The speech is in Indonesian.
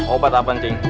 obat apaan cik